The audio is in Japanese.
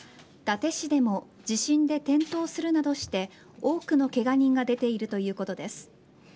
伊達市でも地震で転倒するなどして多くのけが人が出ているということです。